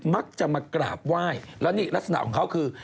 มักจะมากราบไหว้แล้วนี่ลักษณะของเขาคือ